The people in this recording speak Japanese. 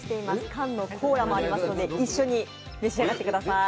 缶のコーラもありますので一緒に召し上がってください。